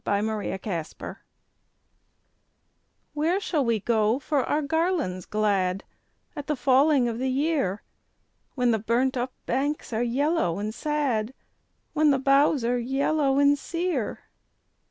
A Song of Autumn "Where shall we go for our garlands glad At the falling of the year, When the burnt up banks are yellow and sad, When the boughs are yellow and sere?